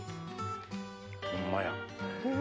ホンマや。